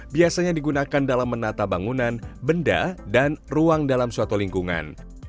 biasanya digunakan dalam menata bangunan benda dan ruang dalam suatu lingkungan